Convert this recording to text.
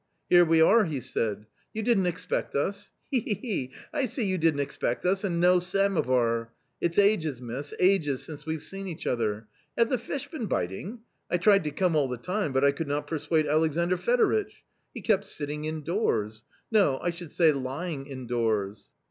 " Here we are," he said, " you didn't expect us ? he ! he ! he ! I see you didn't expect us and no samovar ! It's ages, miss, ages since we've seen each other. Have the fish been biting ? I tried to come all the time, but I could not persuade Alexandr Fedoritch ; he kept sitting indoors — no, I should say lying indoors."